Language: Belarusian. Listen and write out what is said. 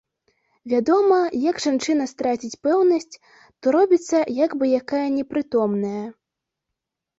Вядома, як жанчына страціць пэўнасць, то робіцца як бы якая непрытомная.